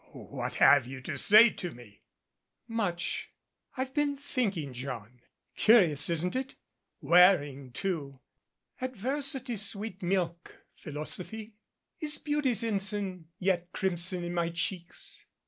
"What have you to say to me?" "Much. I've been thinking, John. Curious, isn't it? 257 MADCAP Wearing, too. Adversity's sweet milk, philosophy. Is beauty's ensign yet crimson in my cheeks